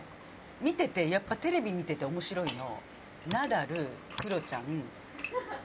見ててやっぱテレビ見てて面白いの。